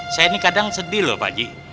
saya ini kadang sedih lho pak haji